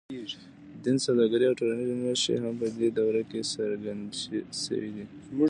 دین، سوداګري او ټولنیزې نښې هم په دې دوره کې څرګندې شوې.